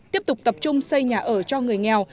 tiếp tục tập trung xây nhà ở cho người nghèo